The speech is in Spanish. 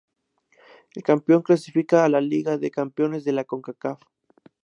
El campeón clasifica a la Liga de Campeones de la Concacaf.